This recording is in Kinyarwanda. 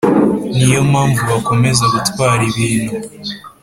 Ni yo mpamvu bakomeza gutwara ibintu